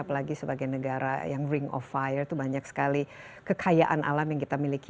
apalagi sebagai negara yang ring of fire itu banyak sekali kekayaan alam yang kita miliki